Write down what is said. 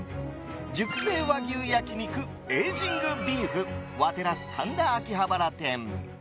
熟成和牛焼肉エイジング・ビーフワテラス神田秋葉原店。